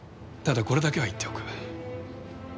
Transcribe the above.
ただこれだけは言っておく。